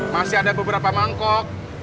masih ada beberapa mangkok